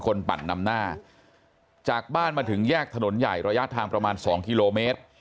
ปั่นนำหน้าจากบ้านมาถึงแยกถนนใหญ่ระยะทางประมาณ๒กิโลเมตร